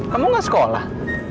kamu nggak sekolah